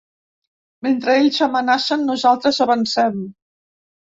Mentre ells amenacen, nosaltres avancem.